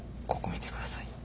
ここ見て下さい。